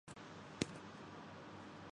حکمت عملی طے کرتی ہے کہ آپ کس سطح کے رہنما ہیں۔